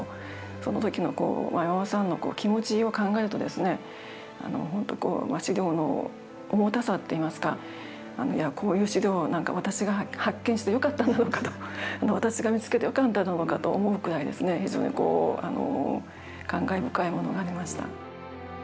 その時の山本さんの気持ちを考えると史料の重たさといいますかこういう史料を私が発見してよかったんだろうかと私が見つけてよかったのだろうかと思うくらい非常に感慨深いものがありました。